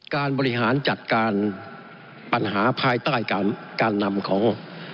บริหารจัดการปัญหาภายใต้การนำของ